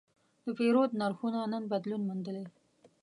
د پیرود نرخونه نن بدلون موندلی.